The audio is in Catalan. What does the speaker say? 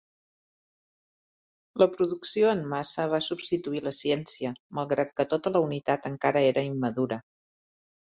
La producció en massa va substituir la ciència, malgrat que tota la unitat encara era immadura.